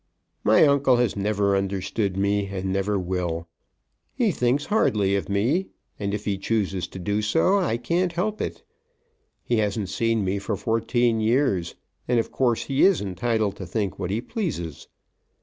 "My uncle has never understood me, and never will. He thinks hardly of me, and if he chooses to do so, I can't help it. He hasn't seen me for fourteen years, and of course he is entitled to think what he pleases.